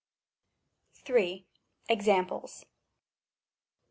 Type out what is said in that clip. Examples.